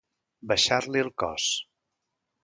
Baixar-li el cos.